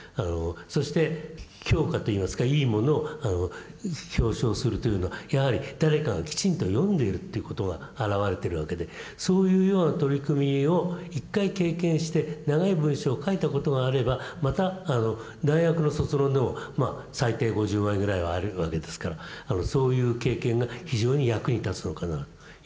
そして評価といいますかいいものを表彰するというのはやはり誰かがきちんと読んでいるということが表れてるわけでそういうような取り組みを一回経験して長い文章を書いたことがあればまた大学の卒論でもまあ最低５０枚ぐらいはあるわけですからそういう経験が非常に役に立つのかなというふうに思いますね。